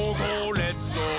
レッツゴー！